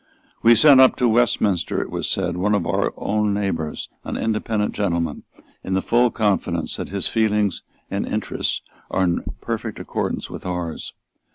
We send up to Westminster, it was said, one of our neighbours, an independent gentleman, in the full confidence that his feelings and interests are in perfect accordance with ours.